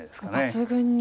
抜群に。